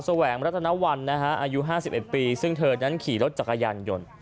แหวงรัฐนวัลนะฮะอายุ๕๑ปีซึ่งเธอนั้นขี่รถจักรยานยนต์